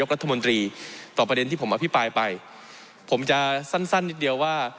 เพราะมันก็มีเท่านี้นะเพราะมันก็มีเท่านี้นะ